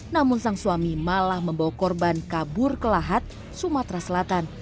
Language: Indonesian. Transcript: namun sang suami malah membawa korban kabur ke lahat sumatera selatan